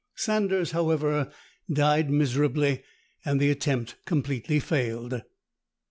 Sanders, however, died miserably, and the attempt completely failed.